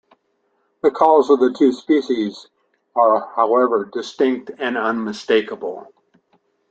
The calls of the two species are however distinct and unmistakable.